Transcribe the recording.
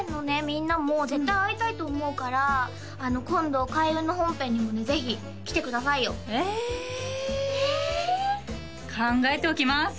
みんなも絶対会いたいと思うから今度開運の本編にもねぜひ来てくださいよえ考えておきます